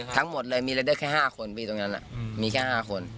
ทั้งหมดเลยมีรายเด้อแค่๕คนมีแค่๕คน